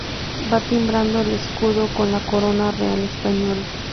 Va timbrado el escudo con la corona real española".